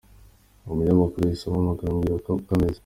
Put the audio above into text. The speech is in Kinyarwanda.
Uwo munyamakuru yahise ampamagara ambwira uko bimeze.